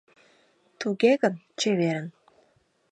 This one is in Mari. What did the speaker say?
Туге гын, чеверын!